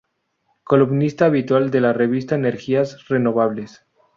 Columnista habitual de la revista Energías Renovables.